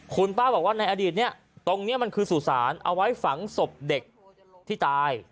คุณป้าบอกว่าในอดีตเนี่ยตรงนี้มันคือสุสานเอาไว้ฝังศพเด็กที่ตาย